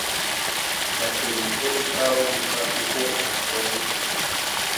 Nategetse ikawa gusa, kuko ntashonje.